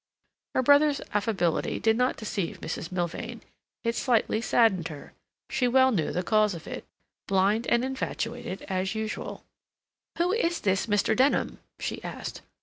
Her brother's affability did not deceive Mrs. Milvain; it slightly saddened her; she well knew the cause of it. Blind and infatuated as usual! "Who is this Mr. Denham?" she asked.